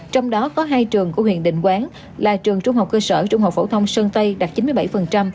trong đó có hai trường của huyện định quán là trường trung học cơ sở trung học phổ thông sơn tây đạt chín mươi bảy